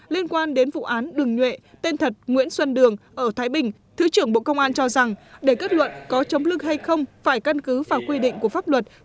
liên quan đến vụ án đường nhuệ tên thật nguyễn xuân đường ở thái bình thứ trưởng bộ công an cho rằng để kết luận có chống lực hay không phải căn cứ vào quy định của pháp luật